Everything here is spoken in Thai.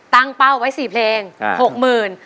ตั้งเป้าไว้สี่เพลงหกหมื่น